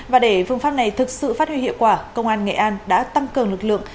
và để phương pháp này thực sự phát huy hiệu quả công an nghệ an đã tăng cường lực lượng